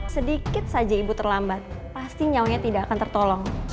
sedikit saja ibu terlambat pasti nyawanya tidak akan tertolong